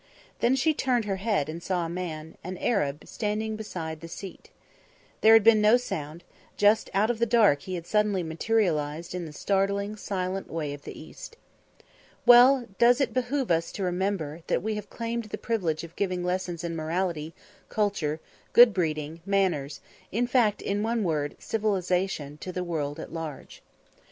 Then she turned her head and saw a man, an Arab, standing beside the seat. There had been no sound; just out of the dark he had suddenly materialised in the startling, silent way of the East. Well does it behove us to remember that we have claimed the privilege of giving lessons in morality, culture, good breeding, manners, in fact, in one word, civilisation to the world at large.